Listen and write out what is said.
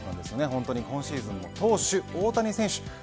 本当に今シーズンも大谷選手